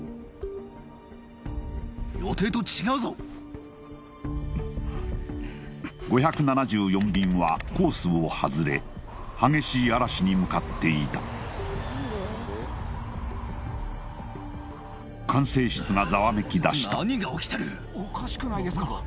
予定と違うぞ５７４便はコースを外れ激しい嵐に向かっていた管制室がざわめきだしたおかしくないですか？